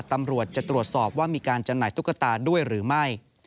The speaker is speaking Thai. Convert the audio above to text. ตำรวจจะตรวจสอบว่ามีการจำหน่ายตุ๊กตาด้วยหรือไม่